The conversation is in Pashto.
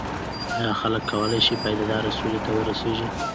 ایا خلک کولای شي پایداره سولې ته ورسیږي؟